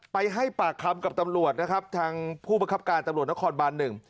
ไปให้ปากคำกับตำรวจนะครับทางผู้ประคับการตำรวจนครบานหนึ่ง